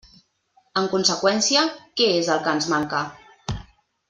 En conseqüència, ¿què és el que ens manca?